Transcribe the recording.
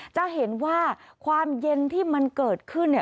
จะเห็นว่าความเย็นที่มันเกิดขึ้นเนี่ย